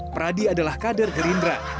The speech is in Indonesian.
pradi adalah kader gerindra